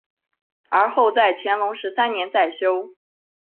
而后在乾隆十三年再修。